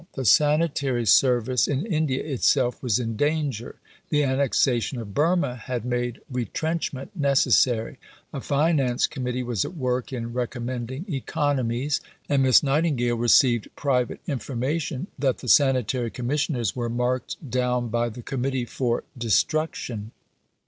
The sanitary service in India itself was in danger. The annexation of Burma had made retrenchment necessary; a Finance Committee was at work in recommending economies; and Miss Nightingale received private information that the Sanitary Commissioners were marked down by the Committee for destruction.